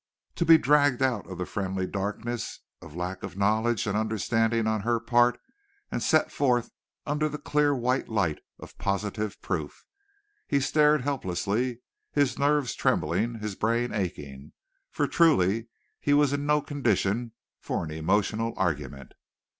To be dragged out of the friendly darkness of lack of knowledge and understanding on her part and set forth under the clear white light of positive proof he stared helplessly, his nerves trembling, his brain aching, for truly he was in no condition for an emotional argument.